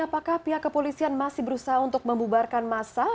apakah pihak kepolisian masih berusaha untuk membubarkan masa